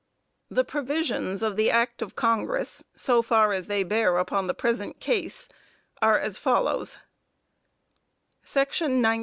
The provisions of the act of Congress, so far as they bear upon the present case, are as follows: "Section 19.